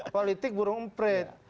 politik burung umpred